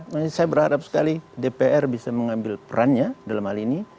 saya berharap sekali dpr bisa mengambil perannya dalam hal ini